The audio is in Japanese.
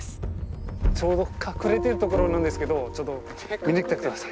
ちょうど隠れてる所なんですけどちょっと見に来てください。